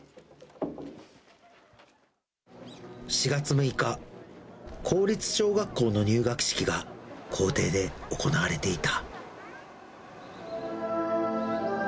４月６日、公立小学校の入学式が校庭で行われていた。